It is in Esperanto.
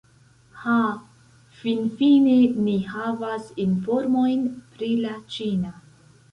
Ha, finfine ni havas informojn pri la ĉina!